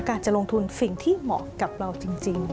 การจะลงทุนสิ่งที่เหมาะกับเราจริง